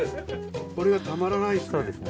これがたまらないですね